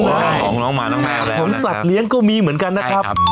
ใช่ของสัตว์เลี้ยงก็มีเหมือนกันนะครับ